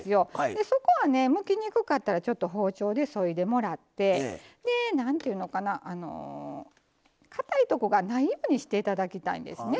そこはねむきにくかったらちょっと包丁でそいでもらって何て言うのかなかたいとこがないようにして頂きたいんですね。